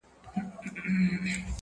كه څه هم تور پاته سم سپين نه سمه.